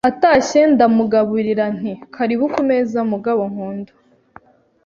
atashye ndamugaburira nti karibu ku meza mugabo nkunda,